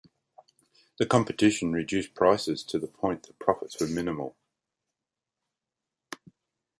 The competition reduced prices to the point that profits were minimal.